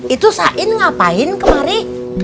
itu sain ngapain kemari